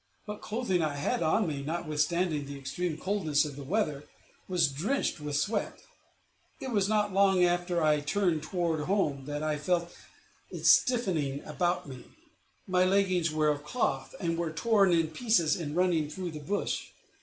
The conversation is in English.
What clothing I had on me, notwithstanding the extreme coldness of the weather, was drenched with sweat. It was not long after I turned toward home that I felt it stiffening about me. My leggings were of cloth, and were torn in pieces in running through the bush.